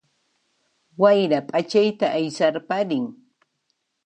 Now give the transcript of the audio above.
Wayra ph'achayta aysarparin